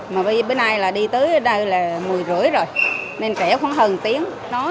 mà bữa nay là đi tới đây là một mươi rưỡi rồi nên trễ khoảng hơn một tiếng